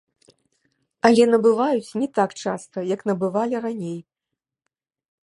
Але набываюць не так часта, як набывалі раней.